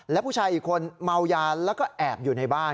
และผู้ชายอีกคนเมายาแล้วก็แอบอยู่ในบ้าน